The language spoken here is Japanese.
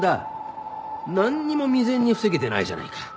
何にも未然に防げてないじゃないか。